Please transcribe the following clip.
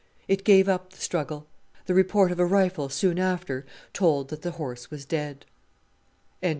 It gave up the struggle. The report of a rifle soon after told that the horse was dead.